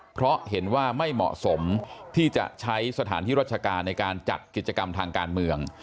เพราะเห็นว่าไม่เหมาะสมที่จะใช้สถานที่ราชการในการจัดกิจกรรมทางการเมือง